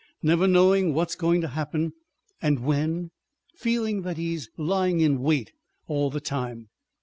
Never knowing what's going to happen and when feeling that he's lying in wait all the time."